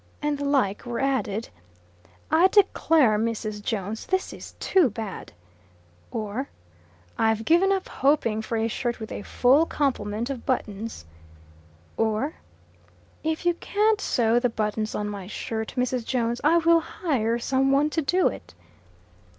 and the like were added: "I declare, Mrs. Jones, this is too bad!" or "I've given up hoping for a shirt with a full complement of buttons " or "If you can't sew the buttons on my shirt, Mrs. Jones, I will hire some one to do it."